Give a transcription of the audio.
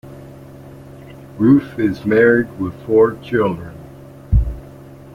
Ruth is married with four children.